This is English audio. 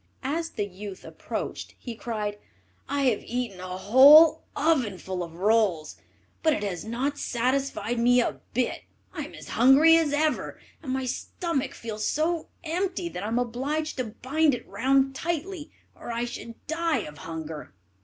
As the youth approached, he cried, "I have eaten a whole ovenful of rolls, but it has not satisfied me a bit; I am as hungry as ever, and my stomach feels so empty that I am obliged to bind it round tightly, or I should die of hunger."